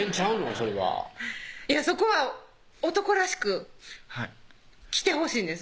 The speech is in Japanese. それはそこは男らしく来てほしいんです